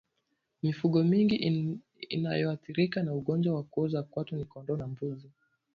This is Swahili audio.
Mifugo mingine inayoathirika na ugonjwa wa kuoza kwato ni kondoo na mbuzi